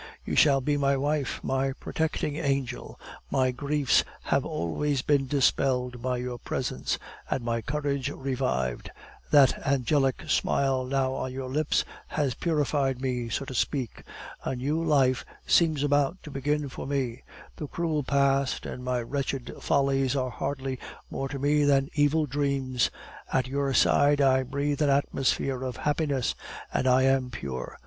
"You shall be my wife, my protecting angel. My griefs have always been dispelled by your presence, and my courage revived; that angelic smile now on your lips has purified me, so to speak. A new life seems about to begin for me. The cruel past and my wretched follies are hardly more to me than evil dreams. At your side I breathe an atmosphere of happiness, and I am pure.